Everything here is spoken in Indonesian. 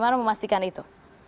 bagaimana memastikan itu